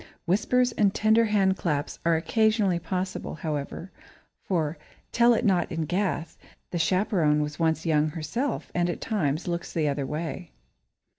Whispers and tender hand clasps are occasionally possible, however, for, tell it not in Gath! the chaperone was once young herself and at times looks the other way.